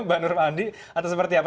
menurut andi atau seperti apa